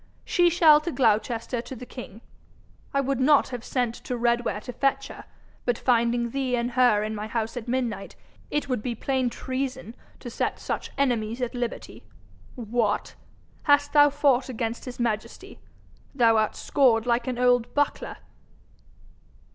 She shall to Gloucester to the king. I would not have sent to Redware to fetch her, but finding thee and her in my house at midnight, it would be plain treason to set such enemies at liberty. What! hast thou fought against his majesty? Thou art scored like an old buckler!'